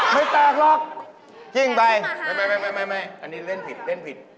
ไม่แตกหรอกกิ้งไปไม่อันนี้เล่นผิดเล่นผิด